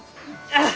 ああ！